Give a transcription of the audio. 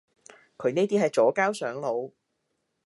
佢呢啲係左膠上腦